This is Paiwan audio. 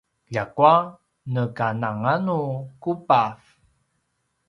ljakua nekanganu kubav